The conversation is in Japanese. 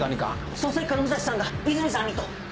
捜査一課の武蔵さんが和泉さんにと！